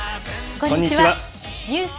こんにちは。